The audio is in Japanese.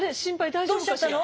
大丈夫かしら？